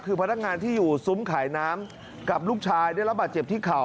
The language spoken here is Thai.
คือพนักงานที่อยู่ซุ้มขายน้ำกับลูกชายได้รับบาดเจ็บที่เข่า